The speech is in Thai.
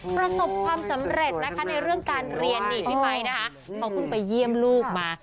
ประสบความสำเร็จนะคะในเรื่องการเรียนนี่พี่ไมค์นะคะเขาเพิ่งไปเยี่ยมลูกมา